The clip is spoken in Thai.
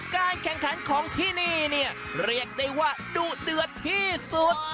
การแข่งขันของที่นี่เนี่ยเรียกได้ว่าดุเดือดที่สุด